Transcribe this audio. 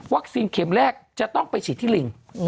เข็มแรกจะต้องไปฉีดที่ลิง